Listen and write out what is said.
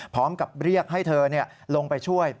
พร้อมกับเรียกให้เธอลงไปช่วย